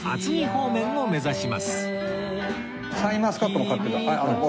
方面を目指します